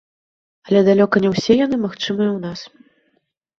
Але далёка не ўсе яны магчымыя ў нас.